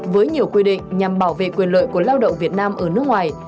với nhiều quy định nhằm bảo vệ quyền lợi của lao động việt nam ở nước ngoài